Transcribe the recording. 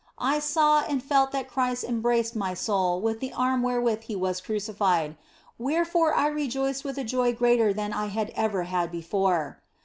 I saw and felt that Christ em braced my soul with the arm wherewith He was crucified, OF FOLIGNO 221 wherefore I rejoiced with a joy greater than I had ever had before.